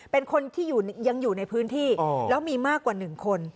เป็นคนที่ยังอยู่ในพื้นที่แล้วมีมากกว่า๑คน